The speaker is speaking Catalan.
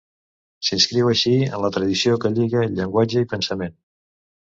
S'inscriu així en la tradició que lliga llenguatge i pensament.